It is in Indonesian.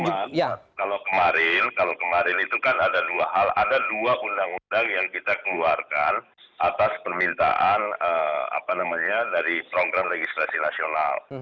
cuman kalau kemarin kalau kemarin itu kan ada dua hal ada dua undang undang yang kita keluarkan atas permintaan apa namanya dari program legislasi nasional